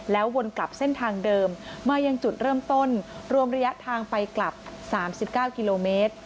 วนกลับเส้นทางเดิมมายังจุดเริ่มต้นรวมระยะทางไปกลับ๓๙กิโลเมตร